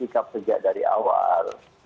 ikat pejabat dari awal